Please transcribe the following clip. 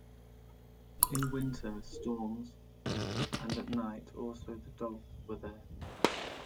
In winter storms, and at night also the dogs were there.